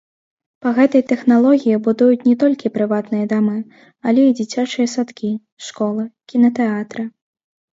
Па гэтай тэхналогіі будуюць не толькі прыватныя дамы, але і дзіцячыя садкі, школы, кінатэатры.